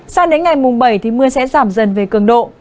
sau đến ngày bảy mưa sẽ giảm dần về cường độ